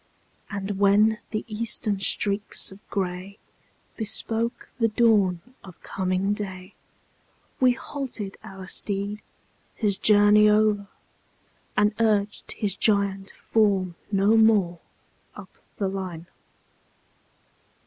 And when the Eastern streaks of gray Bespoke the dawn of coming day, We halted our steed, his journey o'er, And urged his giant form no more, Up the line.